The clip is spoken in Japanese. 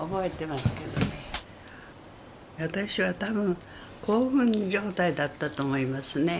私は多分興奮状態だったと思いますね。